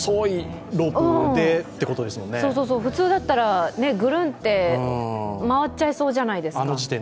普通だったらグルンって回っちゃいそうじゃないですか。